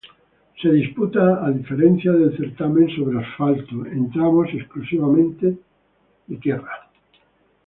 Se disputa a diferencia del certamen sobre asfalto, en tramos exclusivamente de tierra.